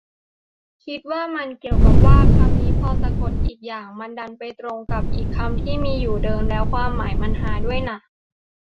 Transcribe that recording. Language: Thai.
คิดว่ามันเกี่ยวกับว่า คำนี้พอสะกดอีกอย่าง มันดันไปตรงกับอีกคำที่มีอยู่เดิม แล้วความหมายมันฮาด้วยน่ะ